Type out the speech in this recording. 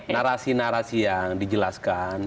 narasi narasi yang dijelaskan